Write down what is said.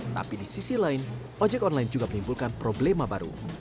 tapi di sisi lain ojek online juga menimbulkan problema baru